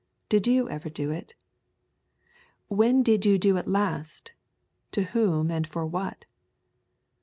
Did you ever do it? When did you do it last, to whom, and for what?